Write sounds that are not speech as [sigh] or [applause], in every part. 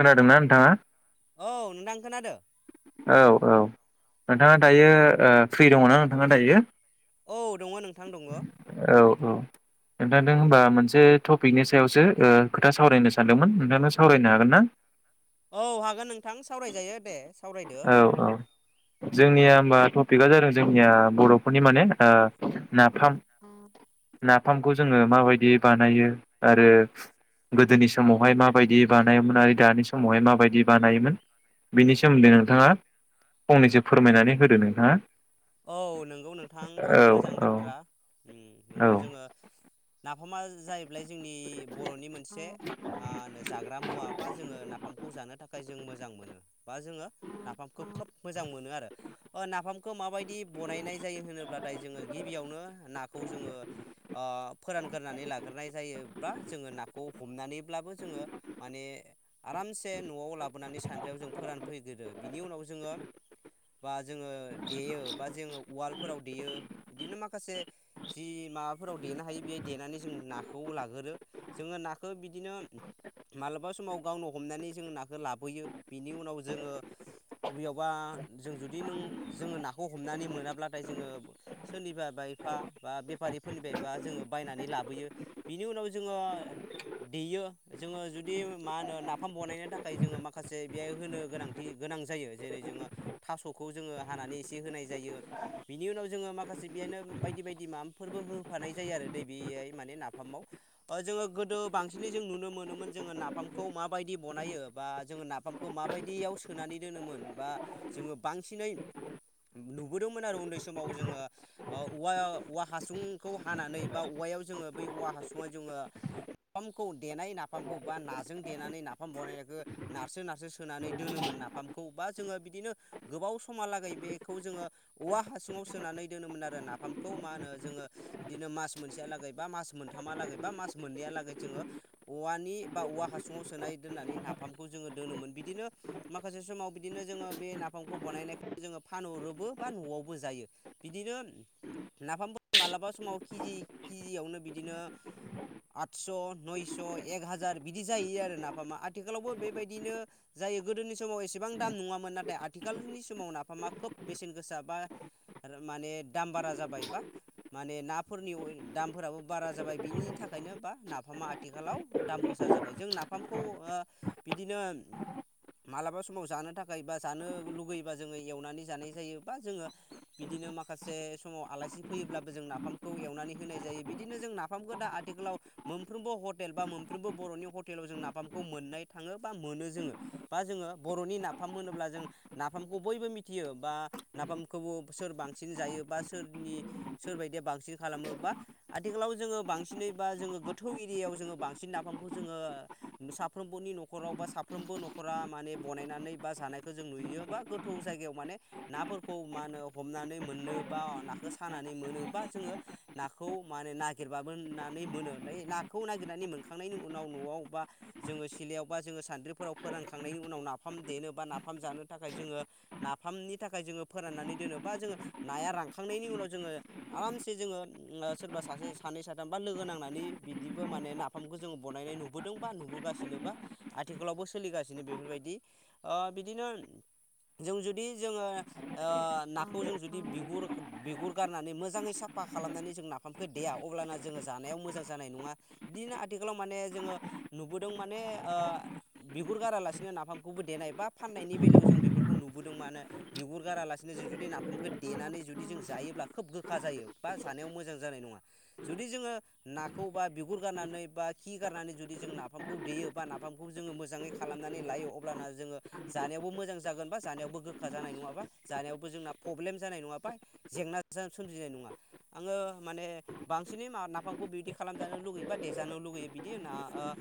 खोनादों ना नो थाङा औ नोंथां खोनादो औ औ नोंथाङा दायो ओ फ्रि दङना नोंथाङा दायो? औ दङ नोंथां दङो। औ औ नोंथांजों होमबा मोनसे टपिकनि सायावसो ओ खोथा सावरायनो सानदोंमोन नोंथांनो सावरायनो हागोन ना? औ हागोन नोंथां सावरायजायो दे। सावरायदो औ औ जोंनिया ओमबाथ तिकआ जादों जोंनिया बर'फोरनि माने ओ [inaudible] फामखौ जोङो माबायदि बानायो आरो गोदोनि समावहाय माबायदि बानायोमोन आरो दानि समावहाय माबायदि बानायोमोन बिनि सोमोन्दै नो थाङा फंनैसो फोरमायनानै होदो नोंथाङा। औ नोंगौ नोंथां खोब औ मोजां औ बाथ्रा उम औ नोंगौ जोङो नाफामा जायो बेलाय जोंनि बरनि मोनसे ओ होनो जाग्रा मुवा बा जोङो नाफामखौ जानो थाखाय जों मो मोजां मोनो बा जोङो नाफामखौ खोब मोजां मोनो आरो ओ नाफामखौ माबायद दि बनायनाय जायो होनोब्लाथाय जोङो गिबियावनो नाखौ जोङो ओ फोरानगोरनानै लाग्रोनाय जायो बा जोङो नाखौ हमनानैब्लाबो जोङो माने आरामसे नआव लाबोनानै सानद्रियाव जों फोरानफैगोरो बिनि उनाव जोङो बा जोङो देयो। बा जोङो उवालफोराव देयो बिदिनो माखासे जि माबाफोराव देनो हायो बे देनानै जों नाखौ लागोरो जोङो नाखौ बिदिनो मालाबा समाव गावनो हमनानै जोङो नाखौ लाबोयो बिनि उनाव जोङो अबेयावबा जों जुदि नों जोङो नाख खौ हमनानै मोनाब्लाथाय जोङो सोरनिबा बा एफा बा बेफारिफोरनिफायबा जोङो बायनानै लाबोयो बिनि उनाव जोङो देयो जोङो जुदि मा होनो नाफाम बनायनो थाखाय जोङो माखासे बे होनो गोनांथि गोनां जायो जेरै जोङो थास'खौ जोङो हानानै से होनाय जायो बिनि उनाव जोङो माखासे बेयानो बायदि बायदि मामफोरबो होफानाय जायो आरो दै बेयाय माने नाफामाव ओ जोङो गोदो बांसिनै जों नुनो मोनोमोन जोङो नाफामखौ माबायदि बनायो बा जोङो नाफामखौ माबायदियाव सोनानै दोनोमोन बा जोङो बांसिनै नुबोदोंमोन आरो उन्दै समाव जोङो ओ औवा औवा हासुंखौ हानानै बा औवायाव जोङो बै औवा हासुङाव जोङो नाफामखौ देनाय नाफामखौ बा नाजों देनानै नाफाम बनायनायखौ नारसो नारसो सोनानै दोनोमोन नाफामखौ बा जोङो बिदिनो गोबाव समहालागै बे खौ जोङो औवा हासुंआव सोनानै दोनोमोन आरो नाफामखौ मा होनो जोङो इदिनो मास मोनसेयालागै बा मास मोनथामालागै बा मास मोननैयालागै जोङो औवानि बा औवा हासुङाव सोनाय दोननानै नाफामखौ जोङो दोनोमोन बिदिनो माखासे समाव बिदिनो जोङो बे नाफामखौ बनायनायखौ जोंङो फानहरोबो बा न'आवबो जायो बिदिनो नाफामफोर मालाबा समाव किजि किजियावनो बिदिनो आदस नयस एक हाजार बिदि जायो आरो नाफामा आथिखालावबो बेबायदिनो जायो गोदोनि समाव एसेबां दाम नङामोन नाथाय आथिखालनि समाव नाफामा खोब बेसेन गोसा बा आरो माने दाम बारा जाबाय बा माने नाफोरनि दामफोराबो बारा जाबाय बिनि थाखायनो बा नाफामा आथिखालाव दाम गोसा जाबाय जों नाफामखौ ओ बिदिनो मालाबा समाव जानो थाखाय बा जानो लुुबैयोबा जोङो एवनानै जानाय जायो बा जोंङो बिदिनो माखासे समाव आलासि फैयोब्लाबो जों नाफामखौ एवनानै होनाय जायो बिदिनो जों नाफामखौ दा आथिखालाव मोमफ्रोमबो हटेल बा मोमफ्रबो बरनि हटेलाव जों नाफामखौ मोननाय थाङो बा मोनो जोङो बा जोङो बरनि नाफाम होनोब्ला जों नाफामखौ बयबो मि थियो बा नाफामखौबो सोर बांसिन जायो बा सोरनि सोरबायदिया बांसिन खालामो बा आथिखालाव जोङो बांसिनै बा जोङो गोथौ एरियायाव जोङो बांसिन नाफामखौ जोङो साफ्रोमबोनि न'खराव बा साफ्रोमबो न'खरा माने बनायनानै बा जानायखौ जों नुयो बा गोथौ जायगायाव माने नाफोरखौ मा होनो हमनानै मोननो बा नाखौ सानानै मोनोबा जोङो नाखौ माने नागिरबाबोनानै मोनोनै नाखौ नागिरनानै मोनखांनायनि उनाव नआव बा जोङो सिलायाव बा जोङो सान्द्रिफोराव फोरानखांनायनि उनाव नाफाम देनो बा नाफाम जानो थाखाय जोङो नाफामनि थाखाय जोङो फोराननानै दोनो बा जोङो नाया रानखांनायनि उनाव जोङो आरामसे जोङो ओ सोरबा सासे सानै साथाम बा लोगो नांनानै बिदिबो माने नाफामखौ जोङो बनायनाय नुबोदों बा नुबोगासिनो बा आथिखालावबो सोलिगासिनो बेफोरबायदि ओ बिदिनो जों जुदि जोङो ओ नाखौ जों जुदि बिगुर बिगुर गारनानै मोजाङै साफा खालामनानै जों नाफामखौ देया अब्लाना जोङो जानायाव मोजां जानाय नङा बिदिनो आथिखालाव माने जोङो नुबोदों माने ओ बिगुर गारालासिनो नाफामखौबो देनाय बा फाननायनि बेलायाव जों बेफोर खौ नुबोदों माने बिगुर गारालासिनो जों जुदि नाफामखौ देनानै जुदि जों जायोब्ला खोब गोखा जायो बा जानायाव मोजां जानाय नङा जुदि जोङो नाखौ बा बिगुर गारनानै बा खि गारनानै जुदि जों नाफामखौ देयो बा नाफामखौ जोङो मोजाङै खालामनानै लायो अब्लाना जोङो जानायावबो मोजां जा जागोन बा जानायावबो गोखा जानाय नङा बा जानायावबो जोंना प्रब्लेम जानाय नङा बा जेंना सोमजिनाय नङा आङो माने बांसिनै मा नाफामखौ बिदि खालामजानो लुबैयो बा देजानो लुबैयो बिदि ना ओ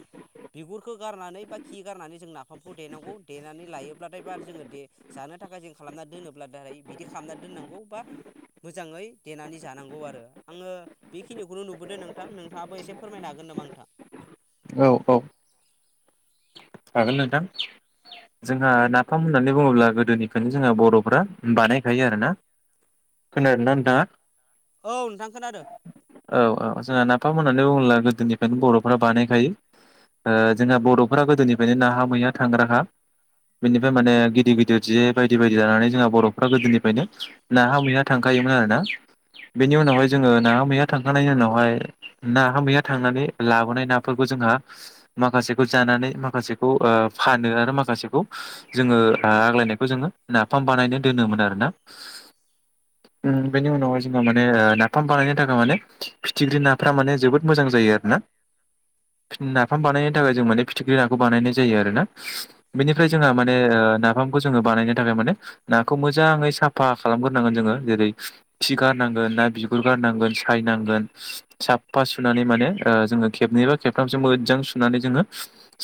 बिगुरखौ गारनानै बा खि गारनानै जों नाफामखौ देनांगौ देनानै लायोब्लाथाय एबार जोङो दे जानो थाखाय जों खालामनानै दोनोब्ला दाराय बिदि खामना दोननांगौ बा मोजाङै देनानै जानांगौ आरो आङो बेखिनिखौनो नुबोदों नोंथां नोंथाङाबो एसे फोरमायनो हागोन नामा नोंथां? औ औ हागोन नोंथां जोंहा नाफाम होननानै बुङोब्ला गोदोनिखौनो जोंहा बर'फ्रा बानायखायो आरोना खोनादों ना नोंथाङा औ नोंथां खोनादों। औ ओ जोंहा नाफामनानै बुङोब्ला गोदोनिफ्रायनो बर'फोरा बानायखायो ओ जोंहा बर'फोरा गोदोनिफ्रायनो नाहा मैया थांग्राखा बेनिफ्राय माने गिदिर-गिदिर जे बायदि-बायदि लानानै जोंहा बर'फोरा गोदोनिफ्रायनो नाहा मैहा थांखायोमोन आरोना बेनि उनावहाय जोङो नाहा मैहा थांखांनायनि उनाव हाय नाहा-मैहा थांनानै लाबोनाय नाफोरखौ जोंहा माखासेखौ जानानै माखासेखौ ओ फानो आरो माखासेखौ जोङो आग्लायनायखौ जोङो नाफाम बानायनो दोनोमोन आरो ना ओम बेनि उनावहाय जोङो माने नाफाम बानायनो थाखाय माने फिथिख्रि नाफ्रा माने जोबोद मोजां जायो आरोना। नाफाम बानायनो थाखाय जों माने फिथिख्रि नाखौ बानायनाय जायो आरोना। बेनिफ्राय जोंहा माने ओ नाफामखौ जोङो बानायनो थाखाय माने नाखौ मोजाङै साफा खालामगोरनांगोन जोङो जेरै खि गारनांगोन ना बिगुर गारनांगोन सायनांगोन। साफा सुनानै माने ओ जोङो खेबनै बा खेबथामसो मोजां सुनानै जोङो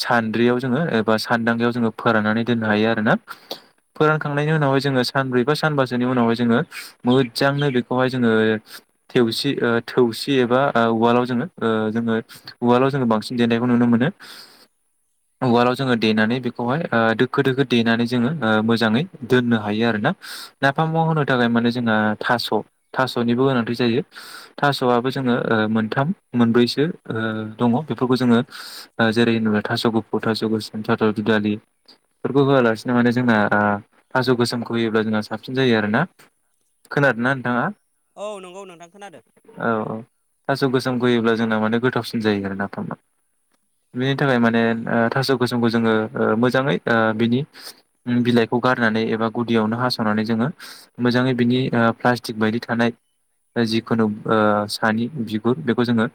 सानद्रियाव जोङो एबा सानदांगायाव जोङो फोराननानै दोननो हायो आरोना। फोरानखांनायनि उनाव जोङो सानब्रै बा सानबासोनि उनावहाय जोङो मोजांनो बेखौहाय जोङो थेवसि ओ थौसि एबा ओ उवालाव जोङो ओ जोङो उवालाव जोङो बांसिन देनायखौ नुनो मोनो उवालाव जोङो देनानै बेखौहाय ओ दोखो दोखो देनानै जोङो ओ मोजाङै दोननो हायो आरो ना नाफामाव होनो थाखाय माने जोंहा थास' थास'निबो गोनांथि जायो। थास'आबो जोङो ओ मोनथाम मोनब्रैसो ओ दङ बेफोरखौ जोङो ओ जेरै नोङो थास' गुफुर थास' गोसोम थास' दुदालिफोरखौ होआलासिनो माने जोंना ओ थास' गोसोमखौ होयोब्ला जोंहा साबसिन जायो आरोना। खोनादों ना नोंथाङा? औ नंगौ नोंथां खोनादो। अ थास' गोसोम होयोब्ला जोंना माने गोथावसिन जायो आरो नाफामा। बिनि थाखाय माने ओ थास' गोसोमखौ जोङो ओ मोजाङै ओ बिनि उम बिलाइखौ गारनानै एबा गुदियावनो हास'नानै जोङो मोजाङै बिनि ओ प्लास्टिक बायदि थानाय ओ जिखुनु ओ सानि बिगुर बेखौ जोङो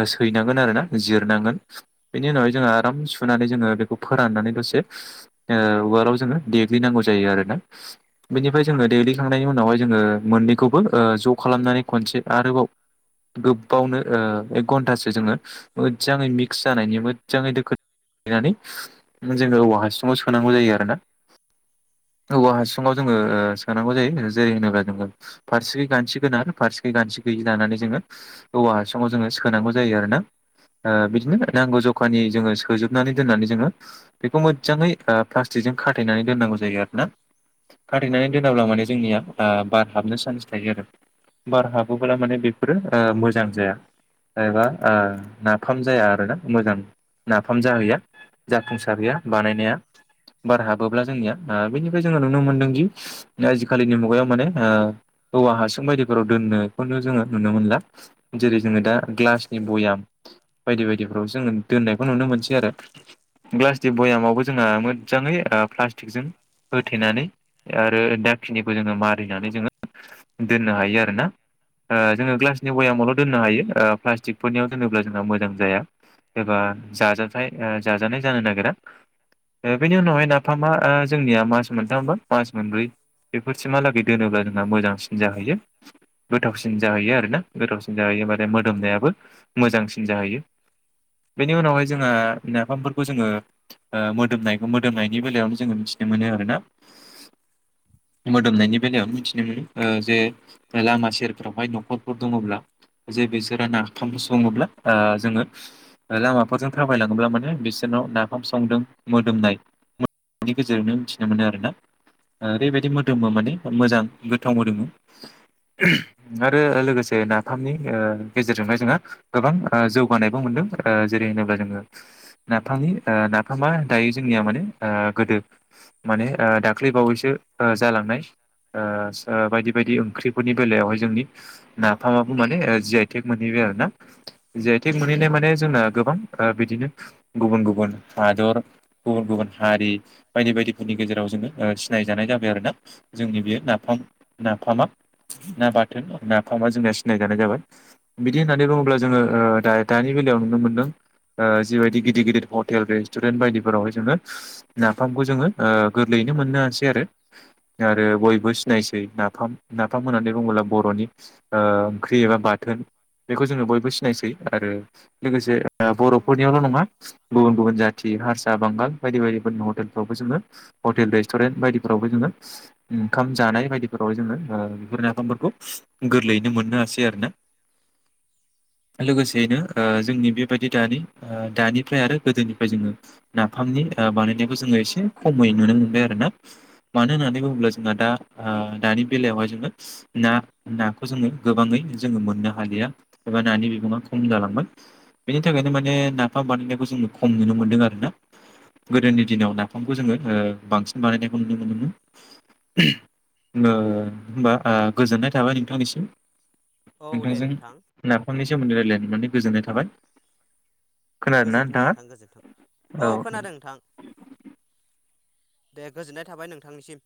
ओ सैनांगोन आरो ना जिरनांगोन बेनि उनावहाय जोङो आराम सुनानै जोङो बेखौ फोराननानै दसे उवालाव जोङो देग्लिनांगौ जायो आरोना बेनिफ्राय जोङो देग्लिखांनायनि उनावहाय जोङो मोननैखौबो ओ ज' खालामनानै खनसे आरोबाव गोब्बावनो ओ एक घन्टासो जोङो मोदजाङै मिक्स जानायनि मोदजाङै दोखो नानै जोङो औवा हासुङाव सोनांगौ जायो आरोना। औवा हासुङाव जोङो ओ सोनांगौ जायो जेरै होनोब्ला नोङो फारसेखि गानथि गोनां फारसे खै गानथि गैयि लानानै जोङो औवा हासुङाव जोङो सोनांगौ जायो आरोना ओ बिदिनो नांगौ जखानि जोङो सोजोबनानै दोननानै जोङो बेखौ मोदजाङै ओ प्लास्टिकजों खाथेनानै दोननांगौ जायो आरोना खाथेनानै दोनाब्ला माने जोंनिया आ बार हाबनो चान्स थायो आरो। बार हाबोब्ला माने बेफोरो ओ मोजां जाया एबा आ नाफाम जाया आरोना मोजां नाफाम जाहैया जाफुंसारहैया बानायनाया बार हाबोब्ला जोंनिया आ बैनिफ्राय जोङो नुनो मोनदोंदि आजिखालिनि मुगायाव माने ओ औवा हासुं बायदि फोराव दोननायखौनो जोङो नुनो मोनला जेरै जोङो दा ग्लासनि बयाम बायदि बायदिफ्राव जोङो दोननायखौ नुनो मोनसै आरो ग्लासनि बयामावबो जोंहा मोदजाङै ओ प्लास्टिकजों होथेनानै आरो दाखिनिखौ जोङो मारिनानै जोङो दोननो हायो आर रोना ओ जोङो ग्लासनि बयामावल' दोननो हायो ओ प्लास्टिकफोरनियाव दोनोब्ला जोंहा मोजां जाया एबा जाजाथाय ओ जाजानाय जानो नागिरा ओ बेनि उनावहाय नाफामा ओ जोंनिया मास मोनथामबा मास मोनब्रै बेफोरसिमहालागै दोनोब्ला जोंहा मोजांसिन जाहैयो गोथावसिन जाहैयो आरोना गोथावसिन जाहैयो माने मोदोमनायाबो मोजांसिन जाहैयो बेनि उनावहाय जोंहा नाफामफोरखौ जोङो ओ मोदोमनायखौ मोदोमनायनि बेलायावनो जोङो मिथिनो मोनो आरोना मोदोमनायनि बेलायावनो मिथिनो मोनो ओ जे लामा सेरफोरावहाय न'खरफोर दङब्ला जे बिसोरा नाफाम सङोब्ला ओ जोङो ओ लामाफोरजों थाबायलाङोब्ला माने बिसोरनाव नाफाम संदों मोदोमनाय मो-नि गेजेरनो मिथिनो मोनो आरोना। ओ बेबायदि मोदोमबा माने मोजां गोथाव मोदोमो। आरो ओ लोगोसे नाफामनि ओ गेजेरजोंहाय जोंङो गोबां ओ जौगानायबो मोनदों ओ जेरै होनोब्ला जोङो नाफामनि ओ नाफामा दायो जोंनिया माने ओ गोदो माने ओ दाख्लै बावैसो ओ जालांनाय ओ-ओ बायदि बायदि ओंख्रि फोरनि बेलायावहाय जोंनि नाफामाबो माने ओ जि आइ टेक मोनहैबाय आरो ना जि आइ थेक मोनहैनाय माने जोंना गोबां ओ बिदिनो गुबुन गुबुन हादर गुबुन गुबुन हारि बायदि बायदिफोरनि गेजेराव जोङो ओ सिनायजानाय जाबाय आरो ना जोंनि बेयो नाफाम नाफामा ना बाथोन नाफामा जोंना सिनायजानाय जाबाय बिदि होननानै बुङोब्ला जोङो ओ दा-दानि बेलायाव नुनो मोनदों ओ जिबायदि गिदिर गिदिर हटेल रेस्टुरेन्ट बायदिफोरावहाय जोङो नाफामखौ जोङो ओ गोरलैयैनो मोननो हासै आरो आरो बयबो सिनायसै नाफाम नाफाम होननानै बुङोब्ला बर'नि ओ ओंख्रि एबा बाथोन बेखौ जोङो बयबो सिनायसै आरो लोगोसे ओ बर'फोरनियावल' नङा गुबुन गुबुन जा थि हारसा बांगाल बायदि बायदिफोरनि हटेलफ्रावबो जोङो हटेल रेस्टुरेन्ट बायदिफोरावबो जोङो ओंखाम जानाय बायदिफोराव जोङो ओ बेफोर नाफामफोरखौ गोरलैयैनो मोननो हासै आरोना। लोगोसेयैनो ओ जोंनि बेबायदि दानि ओ दानिफ्राय आरो गोदोनिफ्राय जोङो नाफामनि ओ बानायनायखौ जोङो एसे खमै नुनो मोनबाय आरो ना। मानो होननानै बुङोब्ला जोंहा दा आ दानि बेलायावहाय जोङो ना नाखौ जोङो गोबाङै जोङो मोननो हालिया एबा नानि बिबाङा खम जालांबाय बेनि थाखायनो माने नाफाम बानायनायखौ जोङो खम नुनो मोनदों आरोना गोदोनि दिनाव नाफामखौ जोङो ओ बांसिन बानायनायखौ नुनो मोनदोंमोन ओ होमबा ओ गोजोननाय थाबाय नोंथांनिसिम औ दे नोंथांजों नोंथां नाफामनि सोमोन्दै रायलायनो मोननानै गोजोननाय थाबाय। दे खोनादोंना गोजोन्थों नोंथाङा नोंथां गोजोनथों। औ खोनादों नोंथां। दे गोजोननाय थाबाय नोंथांनिसिम।